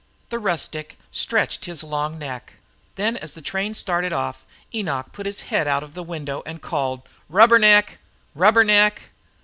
The rustic stretched his long neck. Then as the train started off Enoch put his head out of the window and called: "Rubber neck! Rubber neck!"